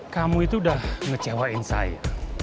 kamu itu udah ngecewain saya